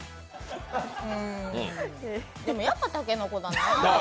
でもやっぱ、たけのこかなぁ。